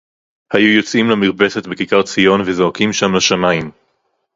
היו יוצאים למרפסת בכיכר-ציון וזועקים שם לשמים